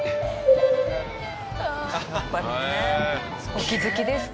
お気付きですか？